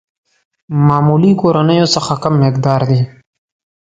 معمولي کورنيو څخه کم مقدار دي.